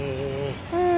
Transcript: うん。